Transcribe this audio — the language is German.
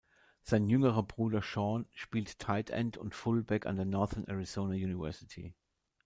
Sein jüngerer Bruder Shaun spielte Tight End und Fullback an der Northern Arizona University.